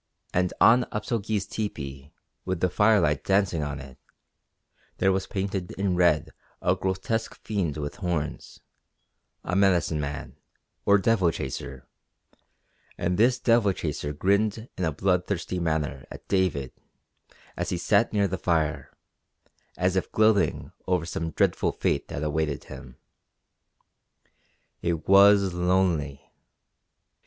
And on Upso Gee's tepee, with the firelight dancing on it, there was painted in red a grotesque fiend with horns a medicine man, or devil chaser; and this devil chaser grinned in a bloodthirsty manner at David as he sat near the fire, as if gloating over some dreadful fate that awaited him. It was lonely.